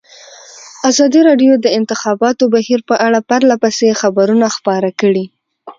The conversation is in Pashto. ازادي راډیو د د انتخاباتو بهیر په اړه پرله پسې خبرونه خپاره کړي.